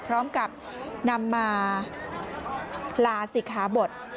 พร้อมกับนำมาลาศิกขาบท